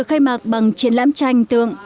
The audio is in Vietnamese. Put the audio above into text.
khai mạc bằng triển lãm tranh tượng